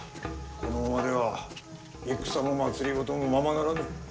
このままでは戦も政もままならぬ。